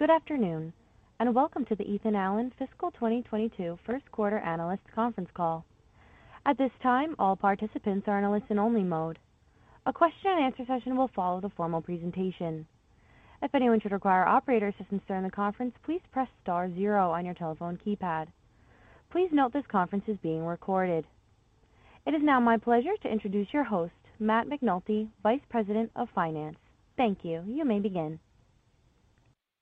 Good afternoon, and welcome to the Ethan Allen Fiscal 2022 first quarter analyst conference call. At this time, all participants are in a listen-only mode. A question-and-answer session will follow the formal presentation. If anyone should require operator assistance during the conference, please press star zero on your telephone keypad. Please note this conference is being recorded. It is now my pleasure to introduce your host, Matt McNulty, Vice President of Finance. Thank you. You may begin.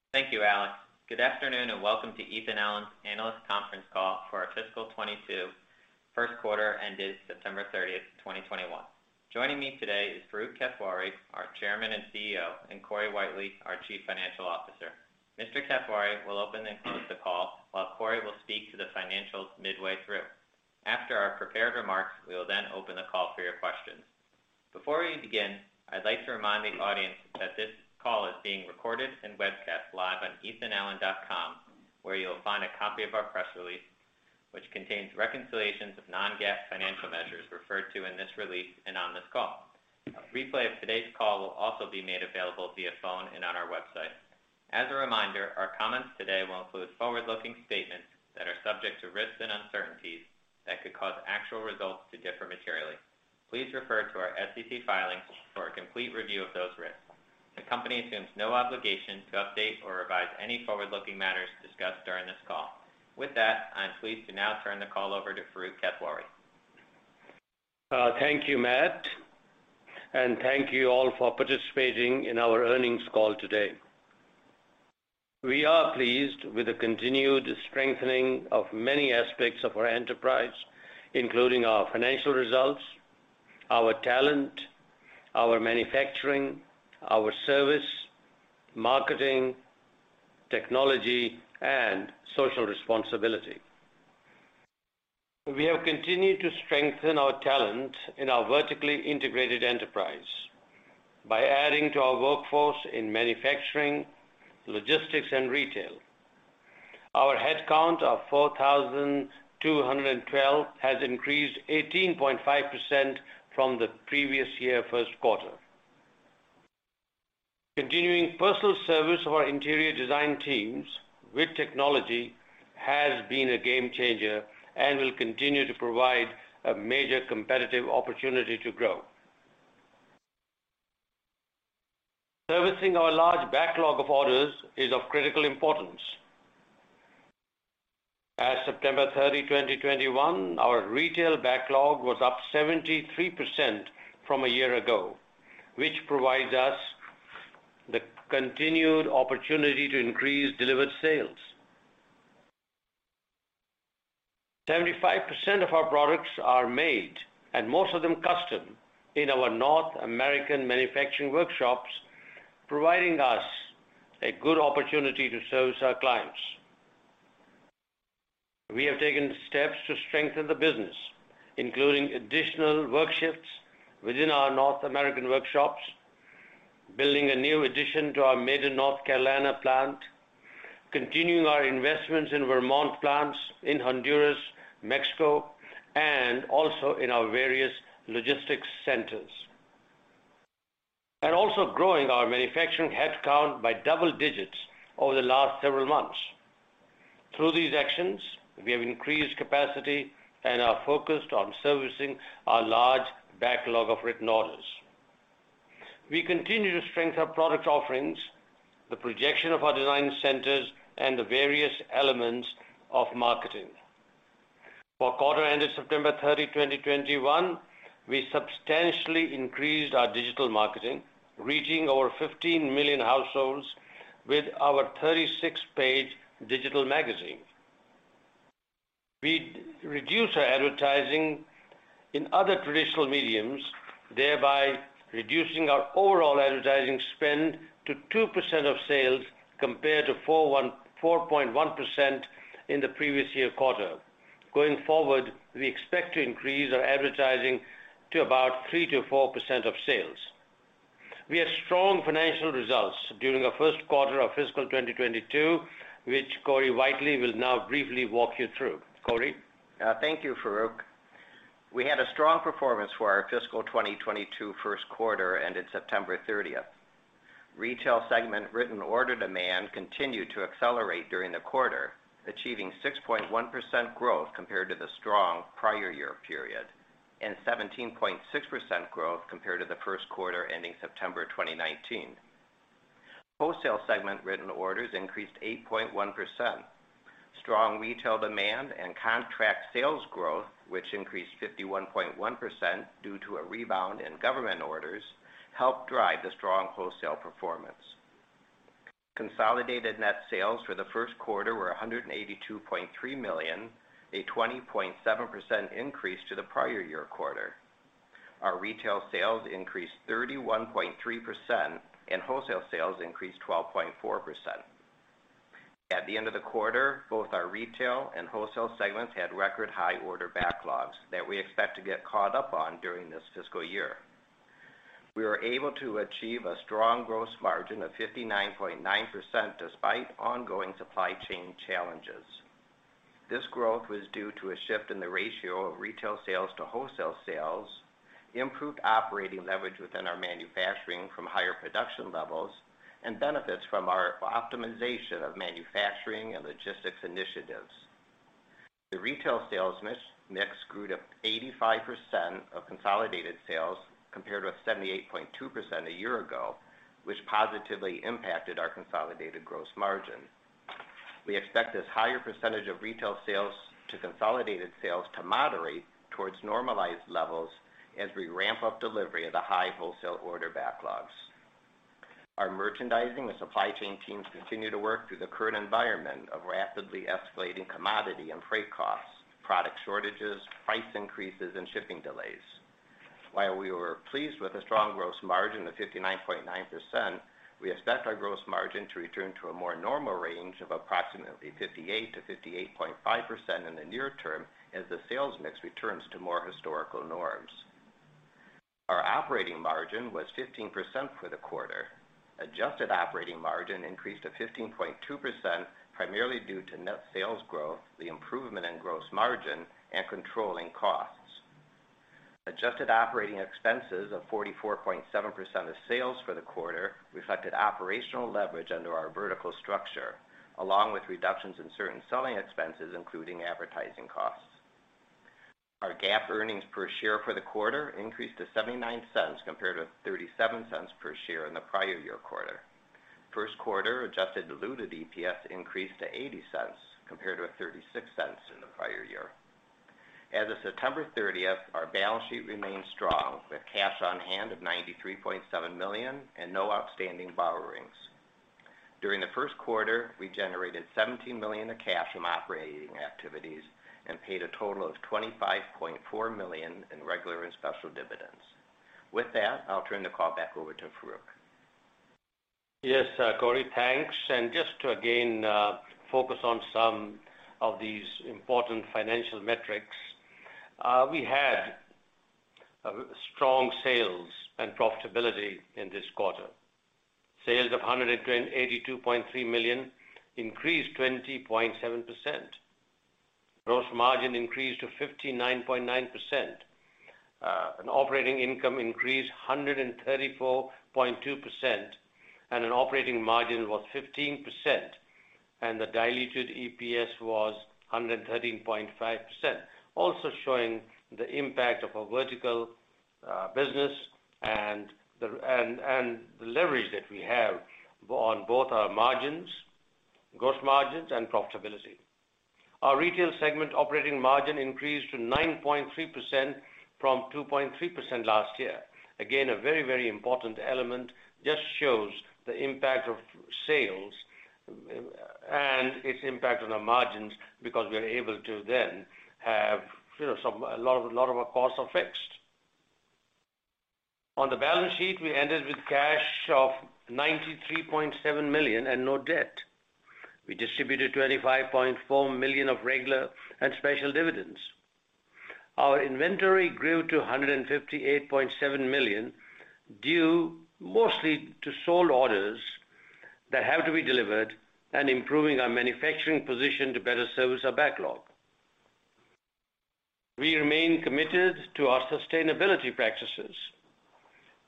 Thank you, Alex. Good afternoon, and welcome to Ethan Allen's analyst conference call for our Fiscal 2022 first quarter ended September 30, 2021. Joining me today is Farooq Kathwari, our Chairman and CEO, and Corey Whitely, our Chief Financial Officer. Mr. Kathwari will open and close the call, while Corey will speak to the financials midway through. After our prepared remarks, we will then open the call for your questions. Before we begin, I'd like to remind the audience that this call is being recorded and webcast live on ethanallen.com, where you'll find a copy of our press release, which contains reconciliations of non-GAAP financial measures referred to in this release and on this call. A replay of today's call will also be made available via phone and on our website. As a reminder, our comments today will include forward-looking statements that are subject to risks and uncertainties that could cause actual results to differ materially. Please refer to our SEC filings for a complete review of those risks. The company assumes no obligation to update or revise any forward-looking matters discussed during this call. With that, I'm pleased to now turn the call over to Farooq Kathwari. Thank you, Matt, and thank you all for participating in our earnings call today. We are pleased with the continued strengthening of many aspects of our enterprise, including our financial results, our talent, our manufacturing, our service, marketing, technology, and social responsibility. We have continued to strengthen our talent in our vertically integrated enterprise by adding to our workforce in manufacturing, logistics, and retail. Our headcount of 4,212 has increased 18.5% from the previous year first quarter. Continuing personal service of our interior design teams with technology has been a game changer and will continue to provide a major competitive opportunity to grow. Servicing our large backlog of orders is of critical importance. As of September 30, 2021, our retail backlog was up 73% from a year ago, which provides us the continued opportunity to increase delivered sales. 75% of our products are made, and most of them custom, in our North American manufacturing workshops, providing us a good opportunity to service our clients. We have taken steps to strengthen the business, including additional work shifts within our North American workshops, building a new addition to our Maiden, North Carolina plant, continuing our investments in Vermont plants, in Honduras, Mexico, and also in our various logistics centers, and also growing our manufacturing headcount by double digits over the last several months. Through these actions, we have increased capacity and are focused on servicing our large backlog of written orders. We continue to strengthen our product offerings, the projection of our design centers, and the various elements of marketing. For quarter ended September 30, 2021, we substantially increased our digital marketing, reaching over 15 million households with our 36-page digital magazine. We reduced our advertising in other traditional mediums, thereby reducing our overall advertising spend to 2% of sales compared to 4.1% in the previous year quarter. Going forward, we expect to increase our advertising to about 3%-4% of sales. We had strong financial results during the first quarter of fiscal 2022, which Corey Whitely will now briefly walk you through. Corey. Thank you, Farooq. We had a strong performance for our fiscal 2022 first quarter ended September 30. Retail segment written order demand continued to accelerate during the quarter, achieving 6.1% growth compared to the strong prior year period and 17.6% growth compared to the first quarter ending September 2019. Wholesale segment written orders increased 8.1%. Strong retail demand and contract sales growth, which increased 51.1% due to a rebound in government orders, helped drive the strong wholesale performance. Consolidated net sales for the first quarter were $182.3 million, a 20.7% increase over the prior year quarter. Our retail sales increased 31.3%, and wholesale sales increased 12.4%. At the end of the quarter, both our retail and wholesale segments had record high order backlogs that we expect to get caught up on during this fiscal year. We were able to achieve a strong gross margin of 59.9% despite ongoing supply chain challenges. This growth was due to a shift in the ratio of retail sales to wholesale sales, improved operating leverage within our manufacturing from higher production levels, and benefits from our optimization of manufacturing and logistics initiatives. The retail sales mix grew to 85% of consolidated sales compared with 78.2% a year ago, which positively impacted our consolidated gross margin. We expect this higher percentage of retail sales to consolidated sales to moderate towards normalized levels as we ramp up delivery of the high wholesale order backlogs. Our merchandising and supply chain teams continue to work through the current environment of rapidly escalating commodity and freight costs, product shortages, price increases, and shipping delays. While we were pleased with the strong gross margin of 59.9%, we expect our gross margin to return to a more normal range of approximately 58%-58.5% in the near term as the sales mix returns to more historical norms. Our operating margin was 15% for the quarter. Adjusted operating margin increased to 15.2%, primarily due to net sales growth, the improvement in gross margin, and controlling costs. Adjusted operating expenses of 44.7% of sales for the quarter reflected operational leverage under our vertical structure, along with reductions in certain selling expenses, including advertising costs. Our GAAP earnings per share for the quarter increased to $0.79 compared with $0.37 per share in the prior year quarter. First quarter adjusted diluted EPS increased to $0.80 compared with $0.36 in the prior year. As of September 30, our balance sheet remained strong with cash on hand of $93.7 million and no outstanding borrowings. During the first quarter, we generated $17 million of cash from operating activities and paid a total of $25.4 million in regular and special dividends. With that, I'll turn the call back over to Farooq. Yes, Corey, thanks. Just to again focus on some of these important financial metrics. We had strong sales and profitability in this quarter. Sales of $82.3 million increased 20.7%. Gross margin increased to 59.9%. Operating income increased 134.2%, and an operating margin was 15%, and the diluted EPS was 113.5%. Also showing the impact of our vertical business and the leverage that we have on both our margins, gross margins, and profitability. Our retail segment operating margin increased to 9.3% from 2.3% last year. Again, a very important element. Just shows the impact of sales and its impact on our margins because we are able to then have, you know, some a lot of our costs are fixed. On the balance sheet, we ended with cash of $93.7 million and no debt. We distributed $25.4 million of regular and special dividends. Our inventory grew to $158.7 million, due mostly to sold orders that have to be delivered and improving our manufacturing position to better service our backlog. We remain committed to our sustainability practices,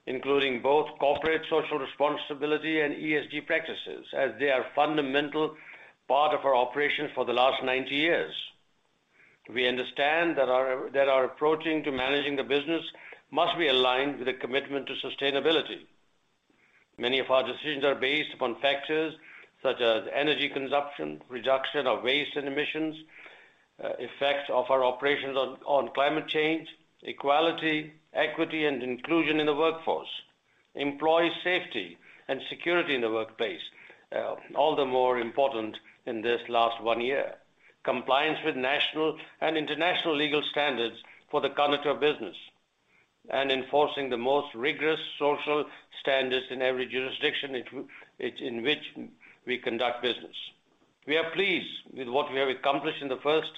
including both corporate social responsibility and ESG practices, as they are fundamental part of our operations for the last 90 years. We understand that our approach to managing the business must be aligned with a commitment to sustainability. Many of our decisions are based upon factors such as energy consumption, reduction of waste and emissions, effects of our operations on climate change, equality, equity, and inclusion in the workforce, employee safety and security in the workplace, all the more important in this last one year. Compliance with national and international legal standards for the contract business, and enforcing the most rigorous social standards in every jurisdiction in which we conduct business. We are pleased with what we have accomplished in the first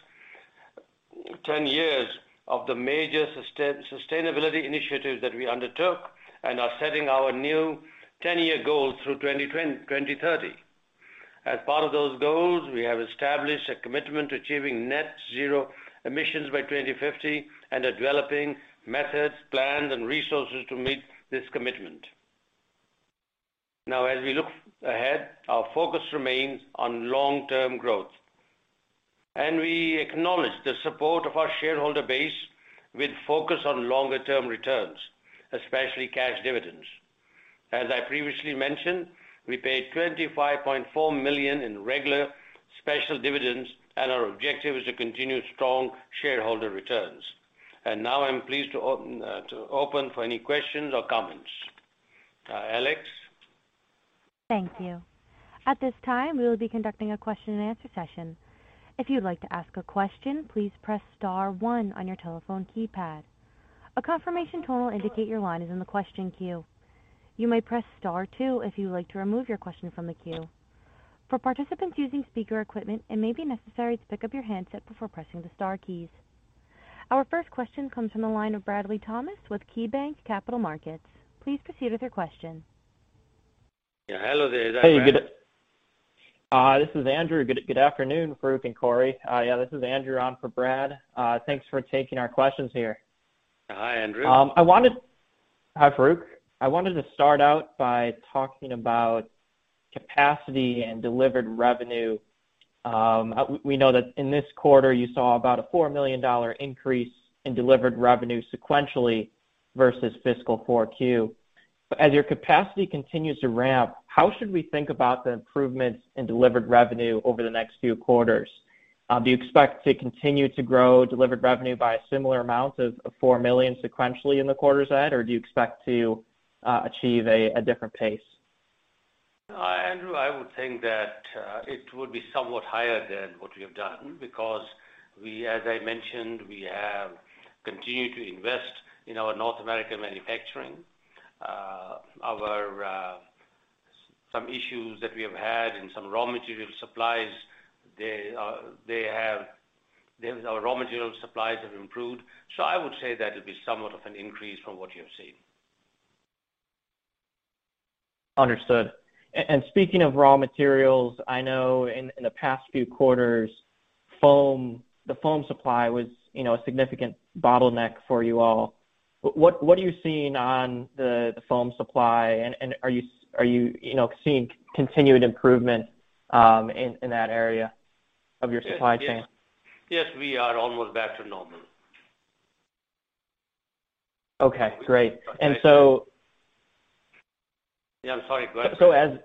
10 years of the major sustainability initiatives that we undertook and are setting our new 10-year goals through 2030. As part of those goals, we have established a commitment to achieving net zero emissions by 2050 and are developing methods, plans, and resources to meet this commitment. Now, as we look ahead, our focus remains on long-term growth, and we acknowledge the support of our shareholder base with focus on longer-term returns, especially cash dividends. As I previously mentioned, we paid $25.4 million in regular special dividends, and our objective is to continue strong shareholder returns. Now I'm pleased to open for any questions or comments. Alex? Thank you. At this time, we will be conducting a question and answer session. If you'd like to ask a question, please press star one on your telephone keypad. A confirmation tone will indicate your line is in the question queue. You may press star two if you would like to remove your question from the queue. For participants using speaker equipment, it may be necessary to pick up your handset before pressing the star keys. Our first question comes from the line of Bradley Thomas with KeyBanc Capital Markets. Please proceed with your question. Yeah, hello, is that Brad? This is Andrew. Good afternoon, Farooq and Corey. Yeah, this is Andrew on for Brad. Thanks for taking our questions here. Hi, Andrew. Hi, Farooq. I wanted to start out by talking about capacity and delivered revenue. We know that in this quarter you saw about a $4 million increase in delivered revenue sequentially versus fiscal 4Q. As your capacity continues to ramp, how should we think about the improvements in delivered revenue over the next few quarters? Do you expect to continue to grow delivered revenue by a similar amount of $4 million sequentially in the quarters ahead, or do you expect to achieve a different pace? Andrew, I would think that it would be somewhat higher than what we have done because we, as I mentioned, we have continued to invest in our North American manufacturing. Some issues that we have had in some raw material supplies have improved. I would say that it'll be somewhat of an increase from what you have seen. Understood. Speaking of raw materials, I know in the past few quarters, foam the foam supply was, you know, a significant bottleneck for you all. What are you seeing on the foam supply and are you know, seeing continued improvement in that area of your supply chain? Yes, we are almost back to normal. Okay, great. We— And so— Yeah. I'm sorry, go ahead.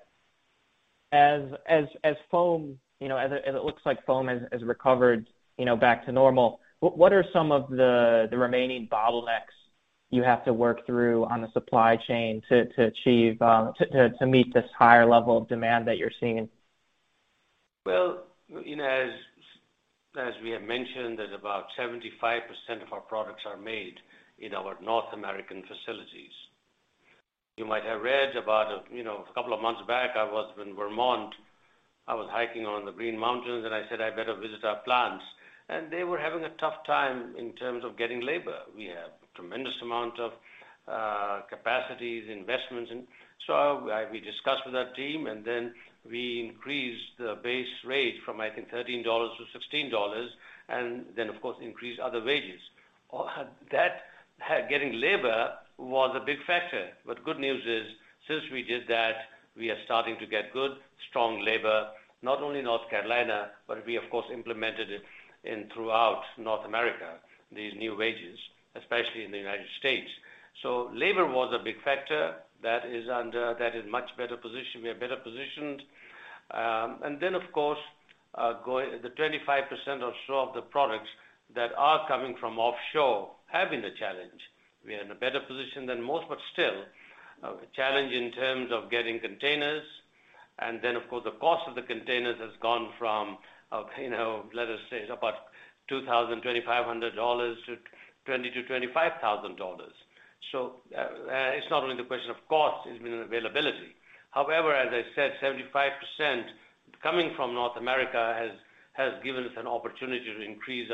As foam, you know, as it looks like foam has recovered, you know, back to normal, what are some of the remaining bottlenecks you have to work through on the supply chain to achieve to meet this higher level of demand that you're seeing? Well, you know, as we have mentioned, that about 75% of our products are made in our North American facilities. You might have read about, you know, a couple of months back, I was in Vermont. I was hiking on the Green Mountains, and I said, "I better visit our plants." They were having a tough time in terms of getting labor. We have tremendous amount of capacities, investments, and so we discussed with our team, and then we increased the base rate from, I think, $13 to $16, and then, of course, increased other wages. All that, getting labor was a big factor. Good news is, since we did that, we are starting to get good, strong labor, not only North Carolina, but we, of course, implemented it throughout North America, these new wages, especially in the United States. Labor was a big factor that is much better positioned. We are better positioned. The 25% or so of the products that are coming from offshore have been a challenge. We are in a better position than most, but still, challenge in terms of getting containers. The cost of the containers has gone from, you know, let us say it's about $2,000-$2,500 to $20,000-$25,000. It's not only the question of cost, it's been availability. However, as I said, 75% coming from North America has given us an opportunity to increase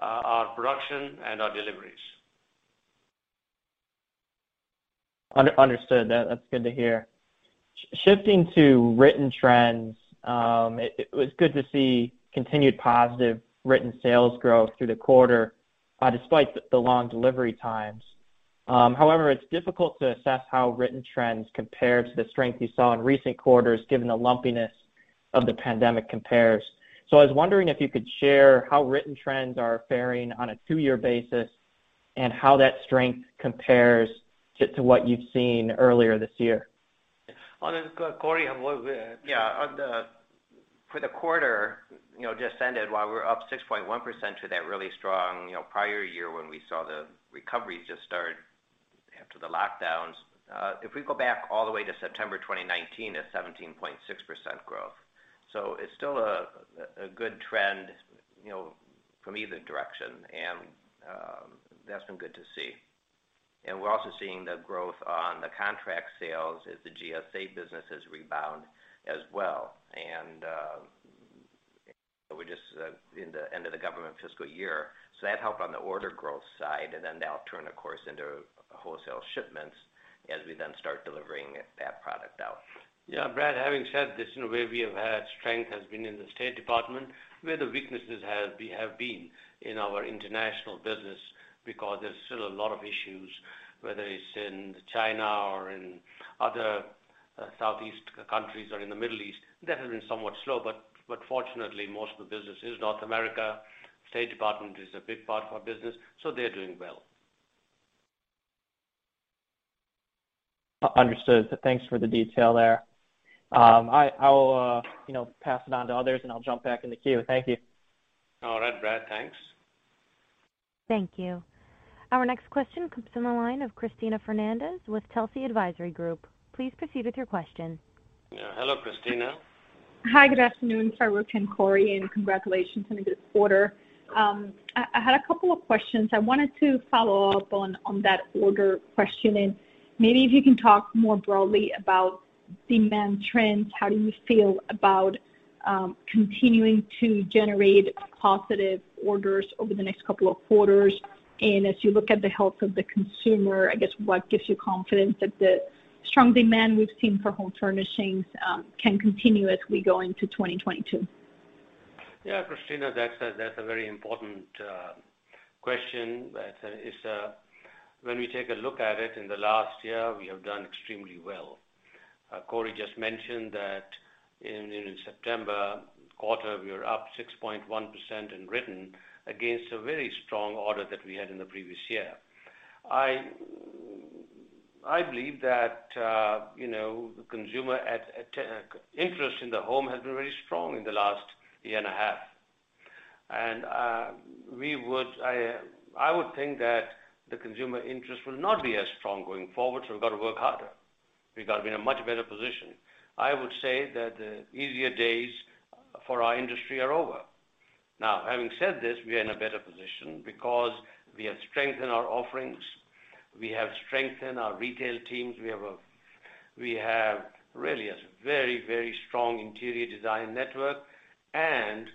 our production and our deliveries. Understood. That's good to hear. Shifting to written trends, it was good to see continued positive written sales growth through the quarter, despite the long delivery times. However, it's difficult to assess how written trends compare to the strength you saw in recent quarters, given the lumpiness of the pandemic comps. I was wondering if you could share how written trends are faring on a two-year basis, and how that strength compares to what you've seen earlier this year. On this, Corey, for the quarter just ended, while we're up 6.1% to that really strong prior year when we saw the recovery just start after the lockdowns, you know. If we go back all the way to September 2019, it's 17.6% growth. It's still a good trend, you know, from either direction. That's been good to see. We're also seeing the growth on the contract sales as the GSA business has rebounded as well. We're just at the end of the government fiscal year. That helped on the order growth side, and then that'll turn, of course, into wholesale shipments as we then start delivering that product out. Yeah, Brad, having said this, you know, where we have had strength has been in the State Department where the weaknesses has we have been in our international business because there's still a lot of issues, whether it's in China or in other Southeast countries or in the Middle East, that has been somewhat slow, but fortunately, most of the business is North America. State Department is a big part of our business, so they're doing well. Understood. Thanks for the detail there. I'll, you know, pass it on to others and I'll jump back in the queue. Thank you. All right, Brad. Thanks. Thank you. Our next question comes from the line of Cristina Fernandez with Telsey Advisory Group. Please proceed with your question. Yeah. Hello, Cristina. Hi, good afternoon, Farooq and Corey, and congratulations on a good quarter. I had a couple of questions. I wanted to follow up on that order question, and maybe if you can talk more broadly about demand trends. How do you feel about continuing to generate positive orders over the next couple of quarters? As you look at the health of the consumer, I guess what gives you confidence that the strong demand we've seen for home furnishings can continue as we go into 2022? Yeah, Cristina, that's a very important question. When we take a look at it in the last year, we have done extremely well. Corey just mentioned that in September quarter, we were up 6.1% in written against a very strong order that we had in the previous year. I believe that, you know, the consumer interest in the home has been very strong in the last year and a half. I would think that the consumer interest will not be as strong going forward, so we've got to work harder. We've got to be in a much better position. I would say that the easier days for our industry are over. Now, having said this, we are in a better position because we have strengthened our offerings, we have strengthened our retail teams. We have really a very, very strong interior design network and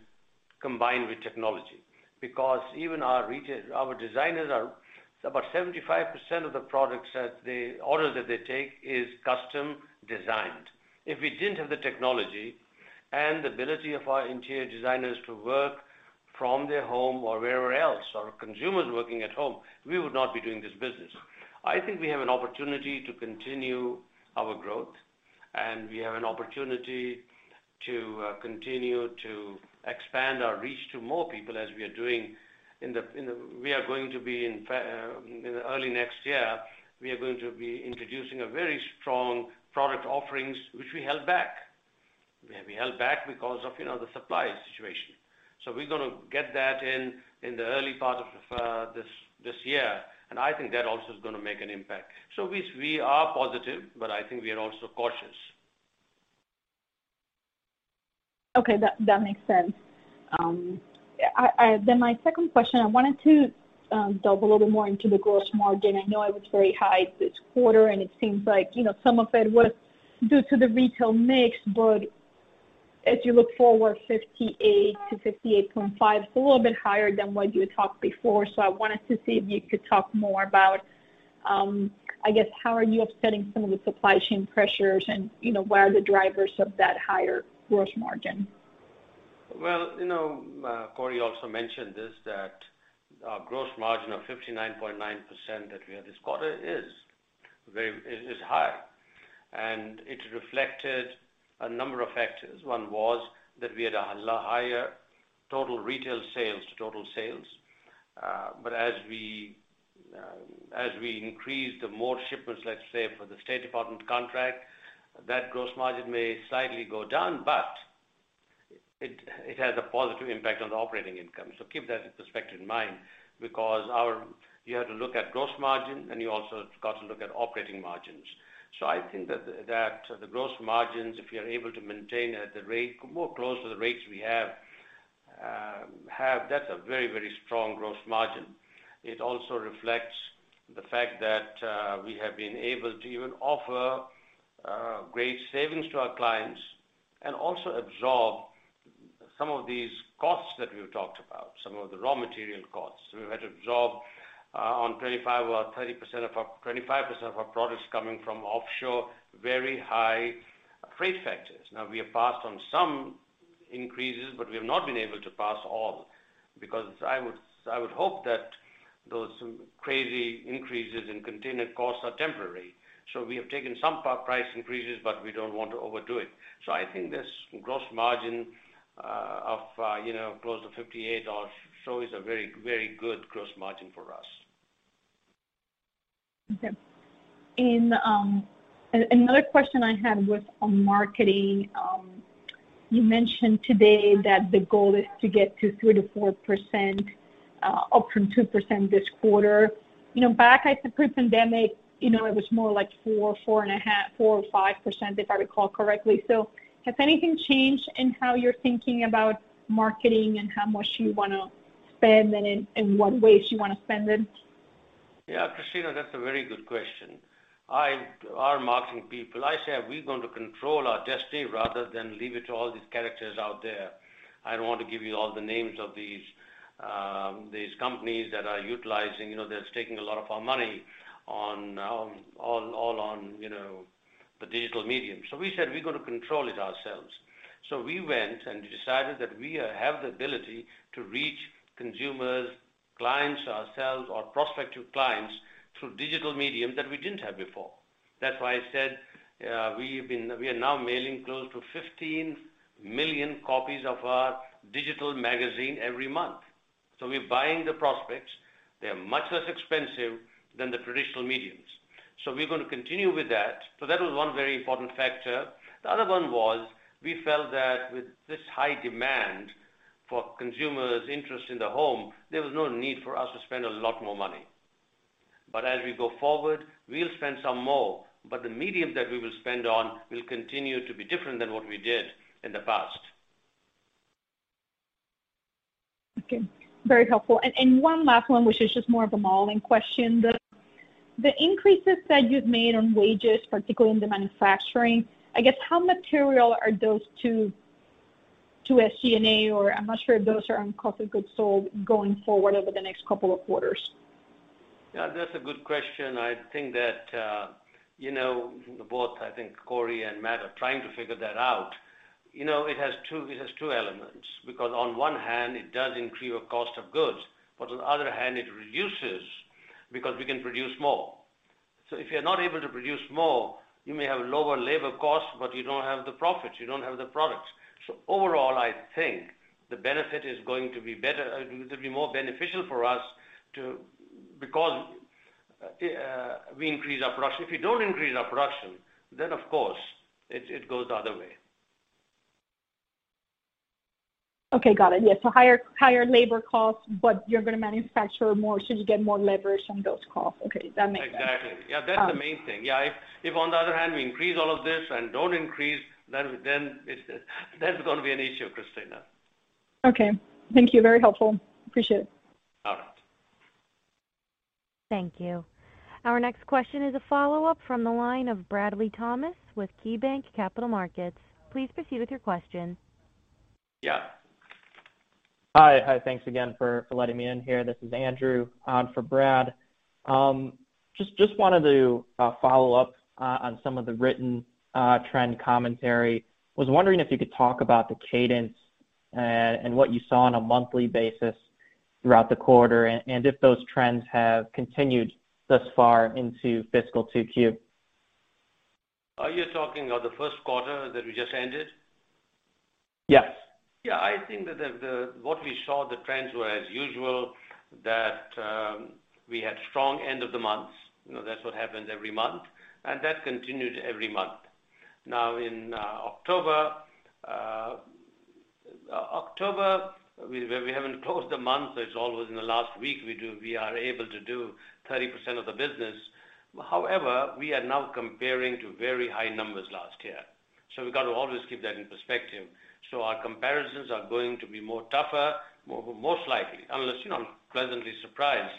combined with technology. Because even our retail, our designers are about 75% of the orders that they take is custom designed. If we didn't have the technology and the ability of our interior designers to work from their home or wherever else, or consumers working at home, we would not be doing this business. I think we have an opportunity to continue our growth, and we have an opportunity to continue to expand our reach to more people as we are doing. In early next year, we are going to be introducing a very strong product offerings, which we held back. We held back because of you know the supply situation. We're gonna get that in the early part of this year, and I think that also is gonna make an impact. We are positive, but I think we are also cautious. Okay. That makes sense. My second question, I wanted to delve a little more into the gross margin. I know it was very high this quarter, and it seems like, you know, some of it was due to the retail mix. As you look forward, 58%-58.5% is a little bit higher than what you talked before. I wanted to see if you could talk more about, I guess, how are you offsetting some of the supply chain pressures and, you know, where are the drivers of that higher gross margin? Well, you know, Corey also mentioned this, that our gross margin of 59.9% that we had this quarter is very high. It reflected a number of factors. One was that we had higher total retail sales to total sales. As we increase the more shipments, let's say for the State Department contract, that gross margin may slightly go down, but it has a positive impact on the operating income. Keep that perspective in mind. You have to look at gross margin, and you also got to look at operating margins. I think that the gross margins, if you're able to maintain at the rate more close to the rates we have, that's a very, very strong gross margin. It also reflects the fact that we have been able to even offer great savings to our clients and also absorb some of these costs that we've talked about, some of the raw material costs. We've had to absorb on 25% or 30% of our products coming from offshore, very high freight factors. Now we have passed on some increases, but we have not been able to pass all because I would hope that those crazy increases in container costs are temporary. We have taken some price increases, but we don't want to overdo it. I think this gross margin of you know close to 58% or so is a very, very good gross margin for us. Okay. Another question I had was on marketing. You mentioned today that the goal is to get to 3%-4%, up from 2% this quarter. You know, back at the pre-pandemic, you know, it was more like 4.5, 4 or 5% if I recall correctly. Has anything changed in how you're thinking about marketing and how much you wanna spend and in what ways you wanna spend it? Yeah. Cristina, that's a very good question. Our marketing people, I say we're going to control our destiny rather than leave it to all these characters out there. I don't want to give you all the names of these companies that are utilizing, you know, they're taking a lot of our money online, you know, on the digital medium. We said we're gonna control it ourselves. We went and decided that we have the ability to reach consumers, clients ourselves or prospective clients through digital medium that we didn't have before. That's why I said we are now mailing close to 15 million copies of our digital magazine every month. We're buying the prospects. They are much less expensive than the traditional media. We're gonna continue with that. That was one very important factor. The other one was we felt that with this high demand for consumers' interest in the home, there was no need for us to spend a lot more money. As we go forward, we'll spend some more, but the medium that we will spend on will continue to be different than what we did in the past. Okay. Very helpful. One last one, which is just more of a modeling question. The increases that you've made on wages, particularly in the manufacturing, I guess, how material are those to SG&A or I'm not sure if those are on cost of goods sold going forward over the next couple of quarters? Yeah, that's a good question. I think that, you know, both I think Corey and Matt are trying to figure that out. You know, it has two elements because on one hand, it does increase your cost of goods, but on the other hand, it reduces because we can produce more. So if you're not able to produce more, you may have lower labor costs, but you don't have the profits, you don't have the products. So overall, I think the benefit is going to be better to be more beneficial for us because we increase our production. If we don't increase our production, then of course, it goes the other way. Okay, got it. Yeah. Higher labor costs, but you're gonna manufacture more, so you get more leverage on those costs. Okay, that makes sense. Exactly. Yeah, that's the main thing. Yeah. If on the other hand, we increase all of this and don't increase, then that's gonna be an issue, Cristina. Okay. Thank you. Very helpful. Appreciate it. All right. Thank you. Our next question is a follow-up from the line of Bradley Thomas with KeyBanc Capital Markets. Please proceed with your question. Yeah. Hi, thanks again for letting me in here. This is Andrew for Brad. Just wanted to follow up on some of the written trend commentary. Was wondering if you could talk about the cadence and what you saw on a monthly basis throughout the quarter, and if those trends have continued thus far into fiscal 2Q. Are you talking of the first quarter that we just ended? Yes. Yeah, I think that what we saw, the trends were as usual, we had strong end of the months. You know, that's what happens every month, and that continued every month. Now in October, we haven't closed the month. It's always in the last week we are able to do 30% of the business. However, we are now comparing to very high numbers last year. We've got to always keep that in perspective. Our comparisons are going to be more tougher, most likely, unless, you know, I'm pleasantly surprised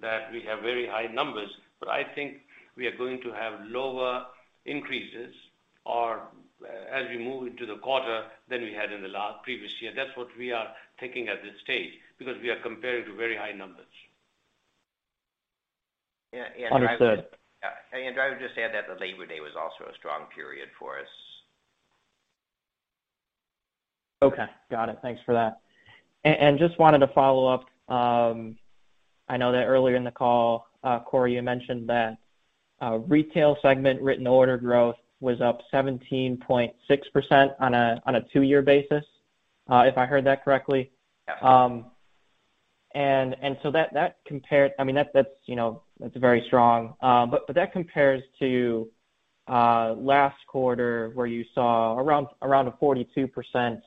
that we have very high numbers. I think we are going to have lower increases or, as we move into the quarter than we had in the last previous year. That's what we are thinking at this stage because we are comparing to very high numbers. Yeah, yeah. Understood. I would just add that the Labor Day was also a strong period for us. Okay. Got it. Thanks for that. Just wanted to follow up. I know that earlier in the call, Corey, you mentioned that retail segment written order growth was up 17.6% on a two-year basis, if I heard that correctly. Yeah. That compared—I mean, that's, you know, that's very strong. That compares to last quarter where you saw around a 42%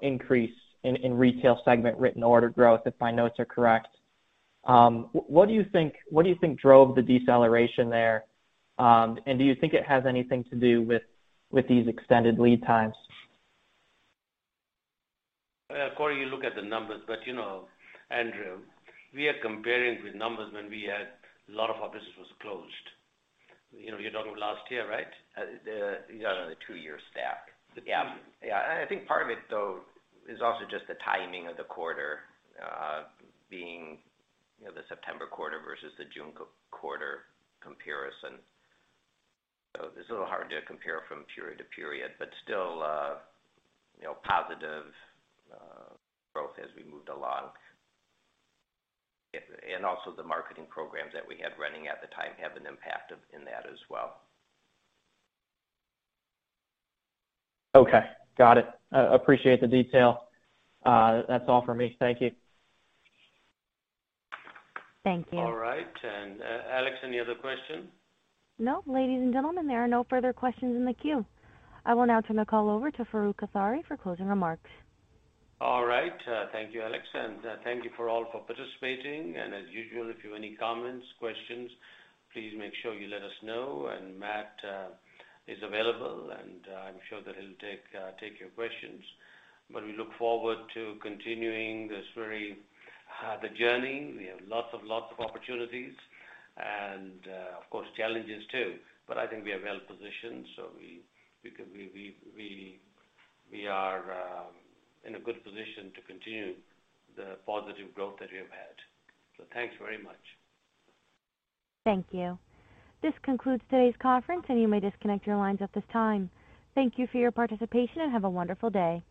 increase in retail segment written order growth, if my notes are correct. What do you think drove the deceleration there? Do you think it has anything to do with these extended lead times? Corey, you look at the numbers, but, you know, Andrew, we are comparing with numbers when we had a lot of our business was closed. You know, you're talking last year, right? The two-year stack. I think part of it, though, is also just the timing of the quarter, you know, the September quarter versus the June quarter comparison. It's a little hard to compare from period to period, but still, you know, positive growth as we moved along. Also the marketing programs that we had running at the time have an impact in that as well. Okay. Got it. Appreciate the detail. That's all for me. Thank you. Thank you. All right. Alex, any other questions? No. Ladies and gentlemen, there are no further questions in the queue. I will now turn the call over to Farooq Kathwari for closing remarks. All right. Thank you, Alex. Thank you all for participating. As usual, if you have any comments, questions, please make sure you let us know. Matt is available, and I'm sure that he'll take your questions. We look forward to continuing this very, the journey. We have lots and lots of opportunities and, of course, challenges too. I think we are well positioned, so we are in a good position to continue the positive growth that we have had. Thanks very much. Thank you. This concludes today's conference, and you may disconnect your lines at this time. Thank you for your participation, and have a wonderful day.